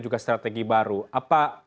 juga strategi baru apa